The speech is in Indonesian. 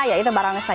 ya itu barongsai